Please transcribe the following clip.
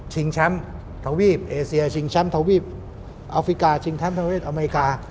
แชมป์ทวีปเอเซียชิงแชมป์ทวีปอัฟริกาชิงแชมป์ทวีปอเมริกา